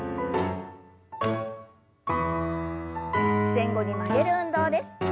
前後に曲げる運動です。